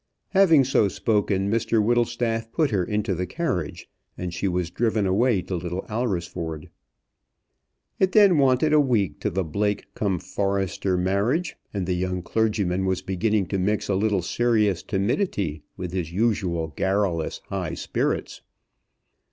Having so spoken, Mr Whittlestaff put her into the carriage, and she was driven away to Little Alresford. It then wanted a week to the Blake cum Forrester marriage, and the young clergyman was beginning to mix a little serious timidity with his usual garrulous high spirits.